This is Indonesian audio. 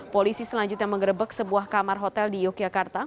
polisi selanjutnya mengerebek sebuah kamar hotel di yogyakarta